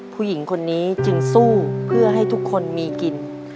ผู้หญิงคนนี้จึงสู้เพื่อให้ทุกคนมีกิน